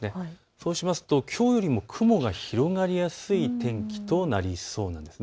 そうしますときょうよりも雲が広がりやすい天気となりそうなんです。